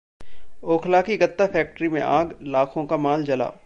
ओखला की गत्ता फैक्ट्री में आग, लाखों का माल जला